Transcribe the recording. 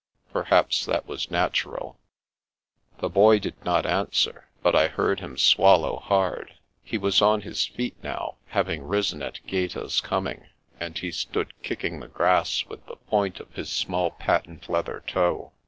" Perhaps that was natural." The Boy did not answer, but I heard him swallow hard. He was on his feet now, having risen at Gaeta's coming, and he stood kicking the grass with the point of his small patent leather toe.